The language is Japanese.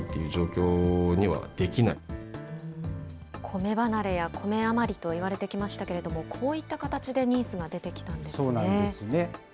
コメ離れやコメ余りといわれてきましたけれども、こういった形でニーズが出てきたんですね。